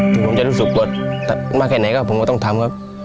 ถึงผมจะรู้สึกลดมากแค่ไหนก็ผมก็ต้องทำครับ